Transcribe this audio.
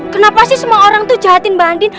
kenapa sih semua orang tuh jahatin mbak andin